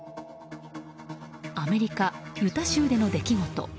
アメリカ・ユタ州での出来事。